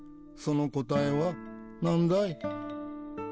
その答えは何だい？